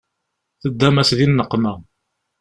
Teddam-as di nneqma